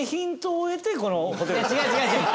いや違う違う違う。